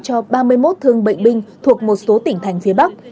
cho ba mươi một thương bệnh binh thuộc một số tỉnh thành phía bắc